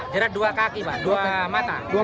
jerat dua kaki pak dua mata